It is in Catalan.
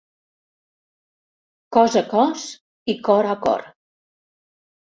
Cos a cos i cor a cor.